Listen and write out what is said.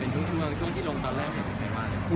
พวกเราอยู่ในโลกของเราที่มันก็